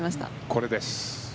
これです。